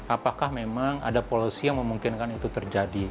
apakah memang ada policy yang memungkinkan itu terjadi